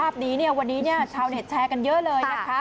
วันนี้ชาวเน็ตแชร์กันเยอะเลยนะคะ